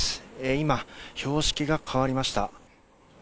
今、標識が変わりました。